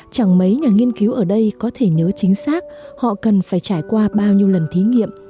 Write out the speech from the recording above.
chẳng mấy nhà nghiên cứu ở đây có thể nhớ chính xác họ cần phải trải qua bao nhiêu lần thí nghiệm